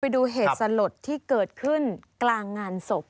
ดูเหตุสลดที่เกิดขึ้นกลางงานศพ